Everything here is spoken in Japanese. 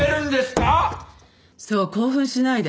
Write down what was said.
そう興奮しないで。